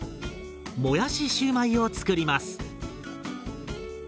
もやしシューマイを作ります。